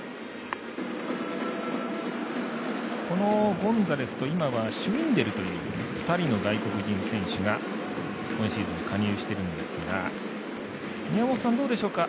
ゴンザレスと今はシュウィンデルという２人の外国人選手が今シーズン、加入してるんですが宮本さん、どうでしょうか